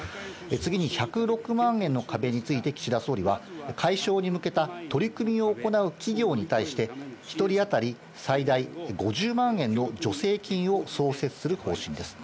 次に１０６万円の壁について岸田総理は、解消に向けた取り組みを行う企業に対して、１人当たり最大５０万円の助成金を創設する方針です。